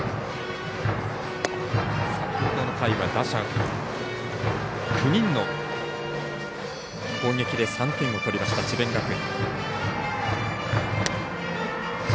先ほどの回は打者９人の攻撃で３点を取りました、智弁学園。